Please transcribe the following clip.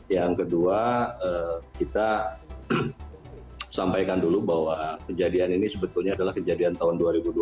yang kedua kita sampaikan dulu bahwa kejadian ini sebetulnya adalah kejadian tahun dua ribu dua puluh